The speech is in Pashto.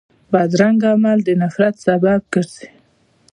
بدرنګه عمل د نفرت سبب ګرځي